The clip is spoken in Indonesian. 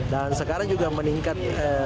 dan sekarang juga meningkat